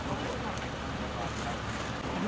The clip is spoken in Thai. จริงอยู่บนแบบนี้